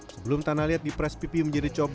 sebelum tanah liat di press pipi menjadi cobek